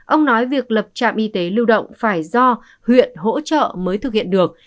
ông nói việc lập trạm y tế lưu động phải do huyện hỗ trợ mới thực hiện được